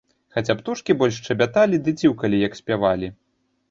Хаця птушкі больш шчабяталі ды ціўкалі, як спявалі.